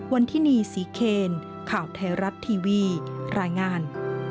วันที่นี่ศรีเคนข่าวไทยรัฐทีวีรายงาน